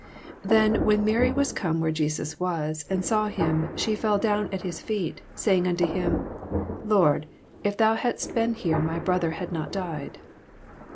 32 Then when Mary was oome where Jesus was, and saw him, she fell down at his feet, saying unto him, Lord, if thou hadst been here, my brother had not died.